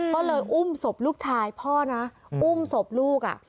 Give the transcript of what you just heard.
ก็เลยอุ้มศพลูกชายพ่อนะอุ้มศพลูกอ่ะ